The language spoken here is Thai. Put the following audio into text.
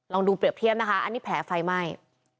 ลองดูเปรียบเทียบนะคะอันนี้แผลไฟไหม้